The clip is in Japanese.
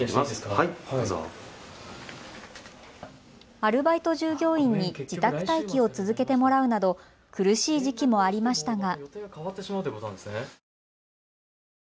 アルバイト従業員に自宅待機を続けてもらうなど苦しい時期もありましたが。